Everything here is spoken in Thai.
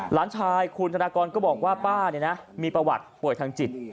หลานชายคุณธนากรก็บอกว่าป้ามีประวัติป่วยทางจิต